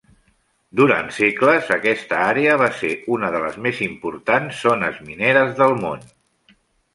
Durant segles aquesta àrea va ser una de les més importants zones mineres del món.